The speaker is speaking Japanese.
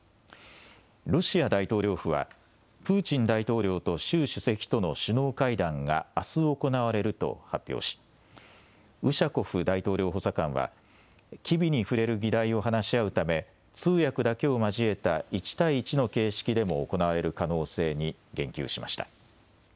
ロシア大統領府は、プーチン大統領と習主席との首脳会談があす行われると発表し、ウシャコフ大統領補佐官は機微に触れる議題を話し合うため、通訳だけを交えた１対１の形式でも行われる可能性に言及しました。